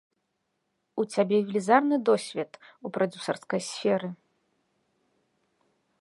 У цябе велізарны досвед у прадзюсарскай сферы.